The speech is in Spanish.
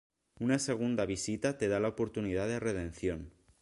Una segunda visita te da la oportunidad de redención